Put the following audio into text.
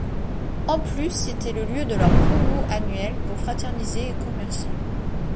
En plus, c’était le lieu de leur pow-wow annuel, pour fraterniser et commercer.